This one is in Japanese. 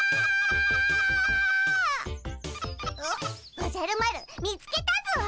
おじゃる丸見つけたぞ。